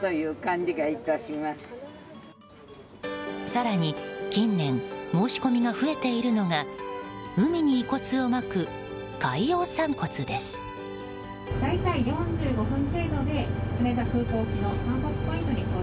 更に、近年申し込みが増えているのが海に遺骨をまく、海洋散骨です。